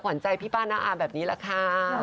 ขวัญใจพี่ป้าน้าอาแบบนี้แหละค่ะ